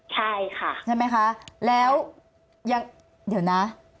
ใช่ค่ะใช่ไหมคะแล้วยังเดี๋ยวนะ